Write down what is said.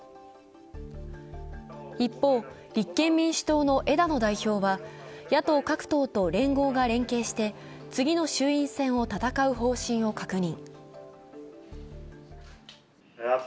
一方、立憲民主党の枝野代表は、野党各党と連合が連携して次の衆院選を戦う方針を確認。